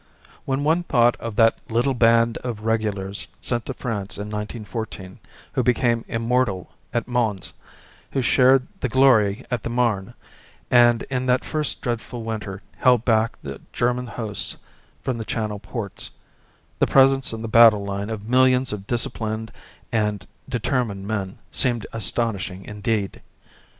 When one thought of that little band of regulars sent to France in 1914, who became immortal at Mons, who shared the glory of the Marne, and in that first dreadful winter held back the German hosts from the Channel ports, the presence on the battle line of millions of disciplined and determined men seemed astonishing indeed.